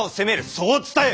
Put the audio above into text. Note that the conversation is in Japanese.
そう伝えよ！